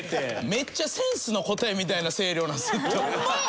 めっちゃセンスの答えみたいな声量なんですずっと。